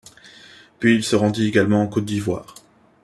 Puis il se rendit également en Côte d'Ivoire.